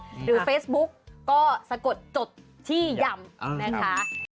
หรือเฟซบุ๊กก็สะกดจดที่ยำนะคะ